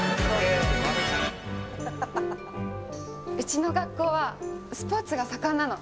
南：うちの学校はスポーツが盛んなの。